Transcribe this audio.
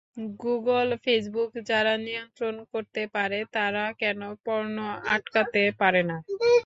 Google, Facebook যারা নিয়ন্ত্রণ করতে পারে, তারা কেন পর্নো আটকাতে পারে না।